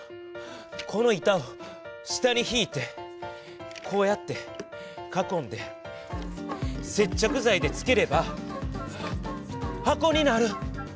この板を下にひいてこうやって囲んで接着ざいでつければ箱になる！